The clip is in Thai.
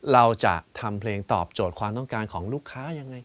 เราจะทำเพลงตอบโจทย์ความต้องการของลูกค้ายังไง